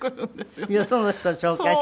よその人を紹介して？